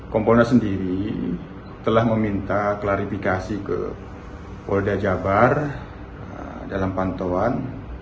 kompolnas sendiri telah meminta klarifikasi ke polda jabar dalam pantauan